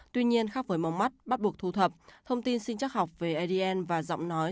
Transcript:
tuy nhiên khác với mống mắt bắt buộc thu thập thông tin sinh chắc học về adn và giọng nói